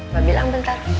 mbak bilang bentar